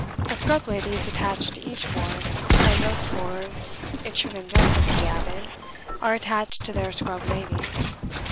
A scrub lady is attached to each ward; and most wards, it should in justice be added, are attached to their scrub ladies.